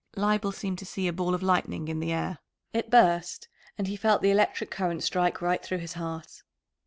Leibel seemed to see a ball of lightning in the air; it burst, and he felt the electric current strike right through his heart.